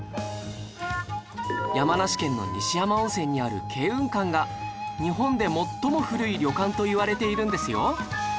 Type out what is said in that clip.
山梨県の西山温泉にある慶雲館が日本で最も古い旅館といわれているんですよ